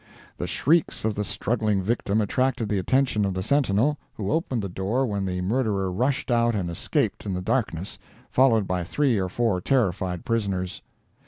The shrieks of the struggling victim attracted the attention of the sentinel, who opened the door, when the murderer rushed out and escaped in the darkness, followed by three or four terrified prisoners.